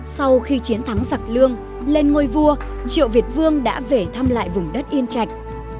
sau khi chiến thắng giặc lương lên ngôi vua triệu việt vương đã về thăm lại vùng đất yên chạch